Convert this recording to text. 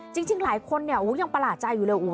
จริงหลายคนเนี่ยยังประหลาดใจอยู่เลย